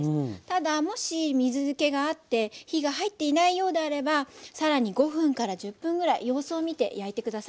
ただもし水けがあって火が入っていないようであれば更に５分から１０分ぐらい様子を見て焼いて下さい。